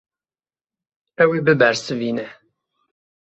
Ew ê bibersivîne.